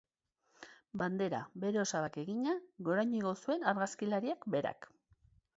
Bandera, bere osabak egina, goraino igo zuen argazkilariak berak.